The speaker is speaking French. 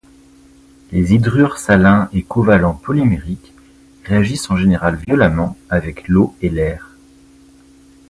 Les hydrures salins et covalents polymériques réagissent en général violemment avec l'eau et l'air.